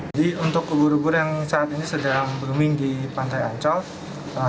jadi untuk ubur ubur yang saat ini sedang berkembang